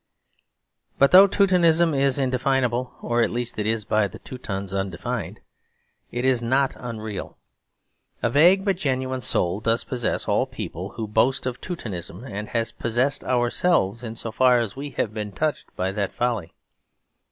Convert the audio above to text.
But though Teutonism is indefinable, or at least is by the Teutons undefined, it is not unreal. A vague but genuine soul does possess all peoples who boast of Teutonism; and has possessed ourselves, in so far as we have been touched by that folly.